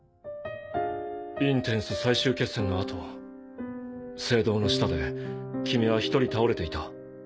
インテンス最終決戦の後聖堂の下で君は一人倒れていた。